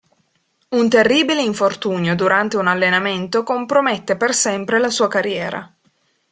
Un terribile infortunio durante un allenamento compromette per sempre la sua carriera.